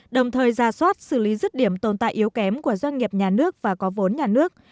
đồng thời ra soát xử lý rứt điểm tồn tại yếu kém của doanh nghiệp nhà nước và có vốn nhà nước